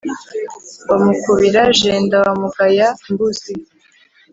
wa mukubira-jenda wa mugaya-mbuzi